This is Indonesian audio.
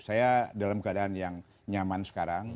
saya dalam keadaan yang nyaman sekarang